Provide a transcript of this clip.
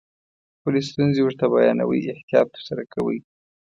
خپلې ستونزې ورته بیانوئ احتیاط ورسره کوئ.